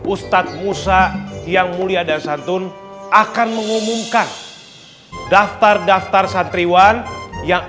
ustadz musa yang mulia dan santun akan mengumumkan daftar daftar santriwan yang